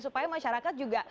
supaya masyarakat juga